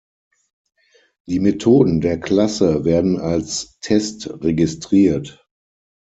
Die Methoden der Klasse werden als Test registriert.